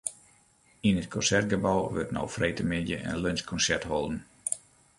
Yn it Konsertgebou wurdt no freedtemiddei in lunsjkonsert holden.